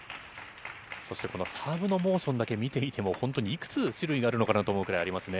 そしてこのサーブのモーションだけ見ていても本当に、いくつ種類があるのかなと思うぐらいありますね。